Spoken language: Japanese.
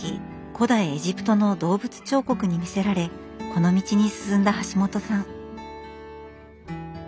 古代エジプトの動物彫刻に魅せられこの道に進んだはしもとさん。